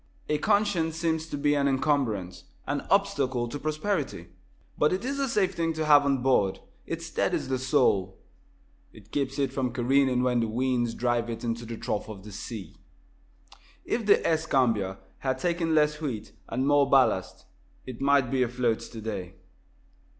A conscience seems to be an encumbrance an obstacle to prosperity. But it is a safe thing to have on board. It steadies the soul. It keeps it from careening when the winds drive it into the trough of the sea. If the "Escambia" had taken less wheat and more ballast, it might be afloat today.